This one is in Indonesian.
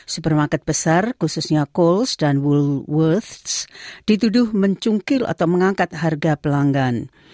supermarket besar khususnya kohl s dan woolworths dituduh mencungkil atau mengangkat harga pelanggan